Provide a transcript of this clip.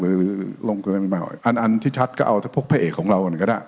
หรือลงทุนอะไรไม่มากอันอันที่ชัดก็เอาถ้าพวกพระเอกของเรากันก็ได้